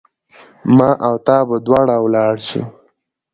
ما او تا به دواړه ولاړ سو